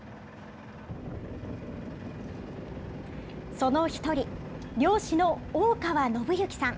その一人、漁師の大川伸幸さん。